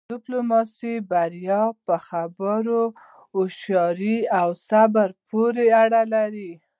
د ډیپلوماسی بریا په خبرو، هوښیارۍ او صبر پورې اړه لری.